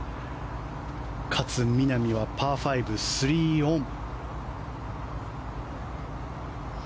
勝みなみはパー５、３オン。